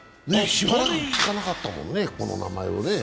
しばらく聞かなかったもんね、この名前を。